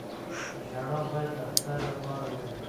ژړا باید د خدای لپاره وي.